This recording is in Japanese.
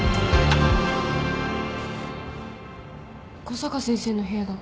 小坂先生の部屋だ。